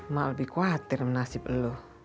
mak lebih khawatir menasib elu